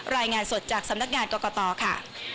รายงานสดจากสำนักงานกรกตค่ะ